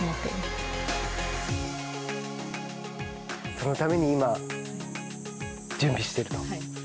そのために今、準備していると。